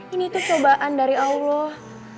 ini tuh cobaan dari allah